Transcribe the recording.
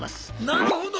なるほど！